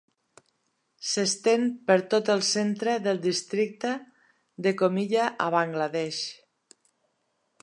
S'estén per tot el centre del districte, de Comilla a Bangladesh.